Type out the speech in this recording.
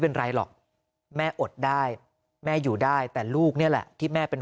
เป็นไรหรอกแม่อดได้แม่อยู่ได้แต่ลูกนี่แหละที่แม่เป็น